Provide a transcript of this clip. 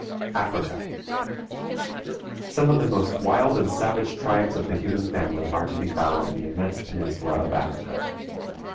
AFRICA. Some of the most wild and savage tribes of the human family are to be found in the immense peninsula of Africa.